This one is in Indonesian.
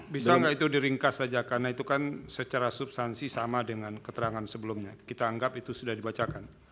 bisa nggak itu diringkas saja karena itu kan secara substansi sama dengan keterangan sebelumnya kita anggap itu sudah dibacakan